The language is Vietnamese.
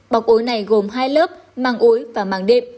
bọc ối này gồm hai lớp màng ối và màng đệm